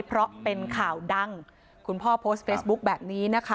เพราะเป็นข่าวดังคุณพ่อโพสต์เฟซบุ๊คแบบนี้นะคะ